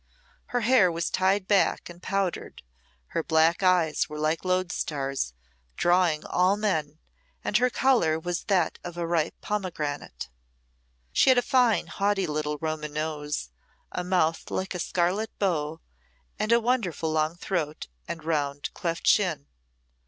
Her hair was tied back and powdered, her black eyes were like lodestars, drawing all men, and her colour was that of a ripe pomegranate. She had a fine, haughty little Roman nose, a mouth like a scarlet bow, a wonderful long throat, and round cleft chin.